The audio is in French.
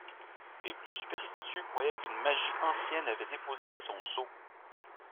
Les plus superstitieux croyaient qu’une magie ancienne avait déposé là son sceau.